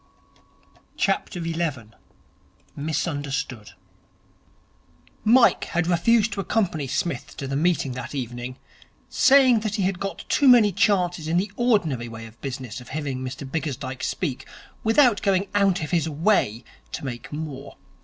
11. Misunderstood Mike had refused to accompany Psmith to the meeting that evening, saying that he got too many chances in the ordinary way of business of hearing Mr Bickersdyke speak, without going out of his way to make more.